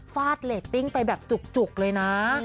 ฟาดเรตติ้งไปแบบจุกเลยนะ